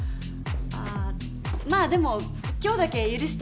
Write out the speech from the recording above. あまあでも今日だけ許して。